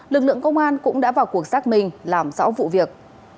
lực lượng công an cũng đã vào cuộc xác minh làm rõ vụ việc